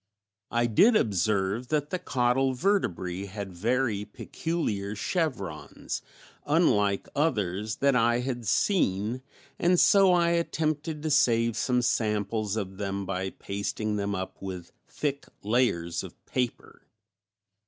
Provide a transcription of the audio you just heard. I did observe that the caudal vertebrae had very peculiar chevrons, unlike others that I had seen, and so I attempted to save some samples of them by pasting them up with thick layers of paper.